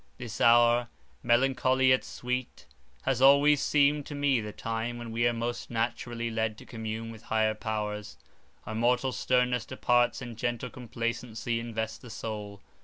This hour, melancholy yet sweet, has always seemed to me the time when we are most naturally led to commune with higher powers; our mortal sternness departs, and gentle complacency invests the soul.